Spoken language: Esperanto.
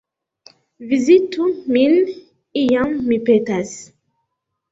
Vizitu min iam, mi petas!